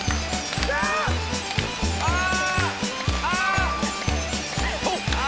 ああ！